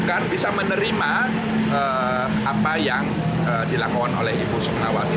agar bisa menerima apa yang dilakukan oleh ibu sukmawati